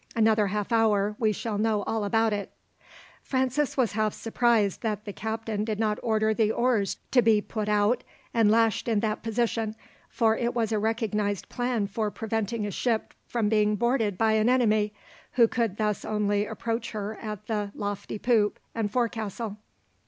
Another half hour we shall know all about it." Francis was half surprised that the captain did not order the oars to be put out and lashed in that position, for it was a recognized plan for preventing a ship from being boarded by an enemy, who could thus only approach her at the lofty poop and forecastle.